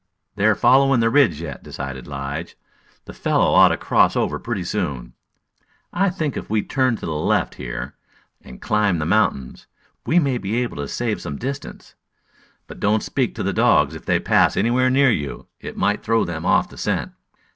"They are following the ridge yet," decided Lige. "The fellow ought to cross over pretty soon. I think if we will turn to the left, here, and climb the mountain, we may be able to save some distance. But don't speak to the dogs if they pass anywhere near you. It might throw them off the scent."